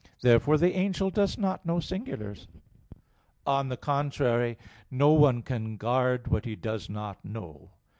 Therefore the angel does not know singulars. On the contrary, No one can guard what he does not know.